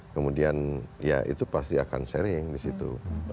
kemudian ya itu pasti akan sharing di situ